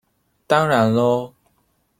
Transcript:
當然囉